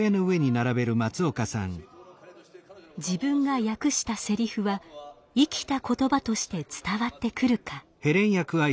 自分が訳したセリフは生きた言葉として伝わってくるか。